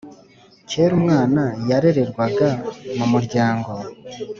Kera umwana yarererwaga mu muryango